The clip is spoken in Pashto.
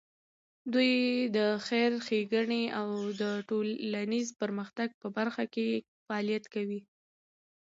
دوی د خیر ښېګڼې او د ټولنیز پرمختګ په برخه کې فعالیت کوي.